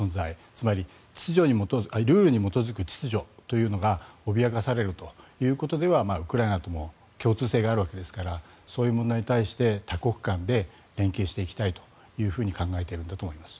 つまりルールに基づく秩序というのが脅かされるということではウクライナとも共通性があるわけですからそういう問題に対して多国間で連携していきたいと考えているんだと思います。